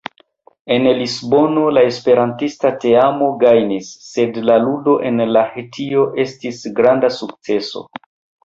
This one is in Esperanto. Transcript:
En Lisbono la esperantista teamo malgajnis, sed la ludo en Lahtio estis granda sukceso.